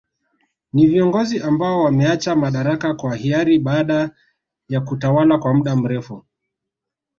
Ni viongozi ambao wameacha madaraka kwa hiari baada ya kutawala kwa muda mrefu